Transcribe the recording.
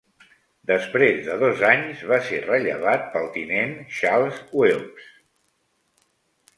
Després de dos anys, va ser rellevat pel tinent Charles Wilkes.